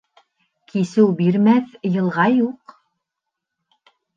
Кисеү бирмәҫ йылға юҡ.